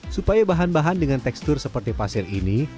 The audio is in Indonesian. supaya bahan bahan dengan tekstur seperti pasir ini